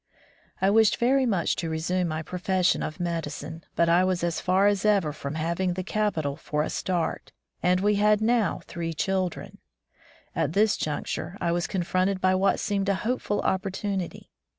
I wished very much to resume my pro fession of medicine, but I was as far as ever from having the capital for a start, and we had now three children. At this juncture, I was confronted by what seemed a hopeful opportunity.